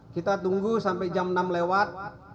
kita tunggu sampai jam enam lewat